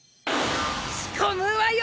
仕込むわよ